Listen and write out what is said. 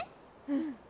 うん。